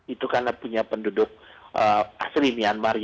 itu karena punya penduduk asli myanmar